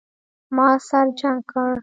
ما سر جګ کړ.